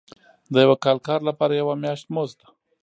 د یو کال کار لپاره یو میاشت مزد.